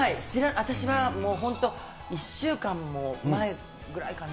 私はもう本当、１週間も前ぐらいかな？